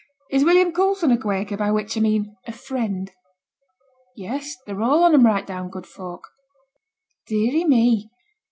Is William Coulson a Quaker, by which a mean a Friend?' 'Yes; they're all on 'em right down good folk.' 'Deary me!